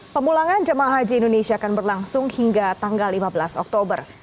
pemulangan jemaah haji indonesia akan berlangsung hingga tanggal lima belas oktober